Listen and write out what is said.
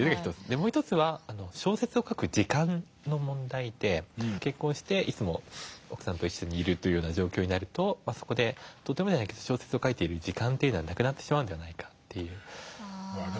もう一つは小説を書く時間の問題で結婚していつも奥さんと一緒にいるという状況になるととてもじゃないけど小説を書いている時間はなくなってしまうんではないかという。